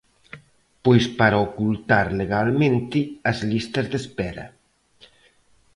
Pois para ocultar legalmente as listas de espera.